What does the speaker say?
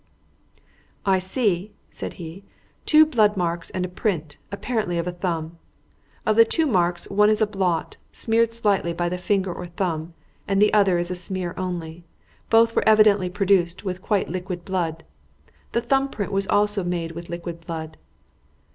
"I see," said he, "two blood marks and a print, apparently of a thumb. Of the two marks, one is a blot, smeared slightly by a finger or thumb; the other is a smear only. Both were evidently produced with quite liquid blood. The thumb print was also made with liquid blood."